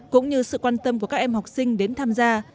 cũng như sự quan tâm của các em học sinh đến tham gia